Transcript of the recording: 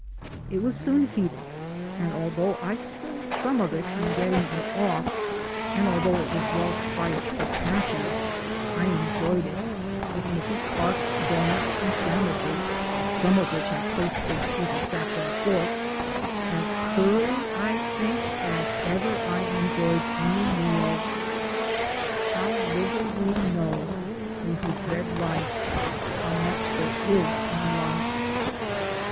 It was soon heated, and although I spilled some of it in getting it off, and although it was well spiced with ashes, I enjoyed it, with Mrs. Clark's doughnuts and sandwiches (some of which I toasted with a sapling fork) as thoroughly, I think, as ever I enjoyed any meal. How little we know we who dread life how much there is in life!